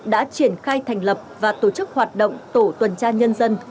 đã triển khai thành lập và tổ chức hoạt động tổ tuần tra nhân dân